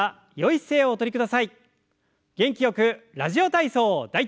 元気よく「ラジオ体操第１」。